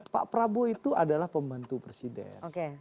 pak prabowo itu adalah pembantu presiden